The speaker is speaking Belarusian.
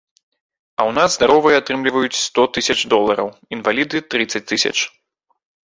А ў нас здаровыя атрымліваюць сто тысяч долараў, інваліды трыццаць тысяч.